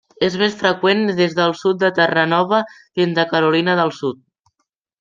És més freqüent des del sud de Terranova fins a Carolina del Sud.